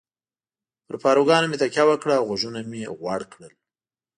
پر پاروګانو مې تکیه وکړه او غوږونه مې غوړ کړل.